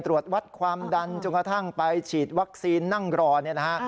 ตรวจวัดความดันจนกระทั่งไปฉีดวัคซีนนั่งรอเนี่ยนะฮะ